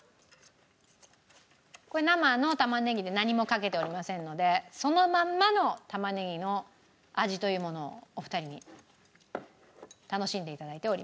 これ生の玉ねぎで何もかけておりませんのでそのまんまの玉ねぎの味というものをお二人に楽しんで頂いております。